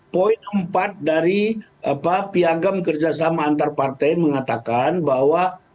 poin empat dari piagam kerjasama antar partai mengatakan bahwa